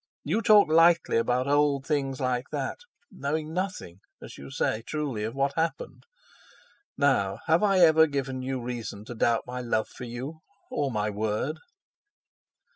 You talk lightly about 'old things like that,' knowing nothing—as you say truly—of what happened. Now, have I ever given you reason to doubt my love for you, or my word?"